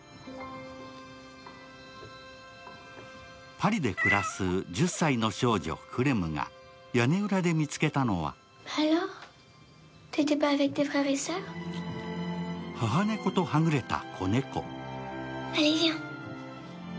パリで暮らす１０歳の少女クレムが屋根裏で見つけたのは母猫とはぐれた子猫。